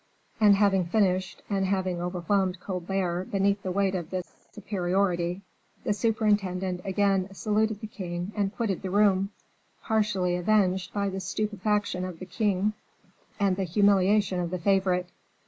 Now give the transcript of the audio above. And having finished, and having overwhelmed Colbert beneath the weight of this superiority, the superintendent again saluted the king and quitted the room, partially revenged by the stupefaction of the king and the humiliation of the favorite.